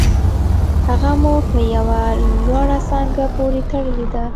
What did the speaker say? هغه مو په یوه لوړه څانګه پورې تړلې ده